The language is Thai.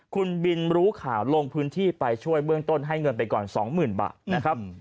คุณบินรู้ข่าวลงพื้นที่ไปช่วยเบื้องต้นให้เงินไปก่อน๒๐๐๐บาทนะครับ